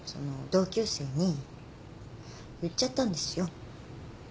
同級生に言っちゃったんですよ。